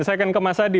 saya akan ke mas adi